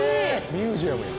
ミュージアムや！